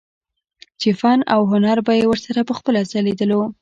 چې فن او هنر به يې ورسره پخپله ځليدلو